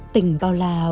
tình bao la vô bờ bến